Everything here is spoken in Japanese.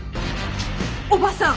おばさん。